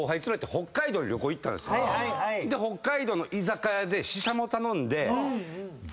北海道の居酒屋でししゃも頼んで。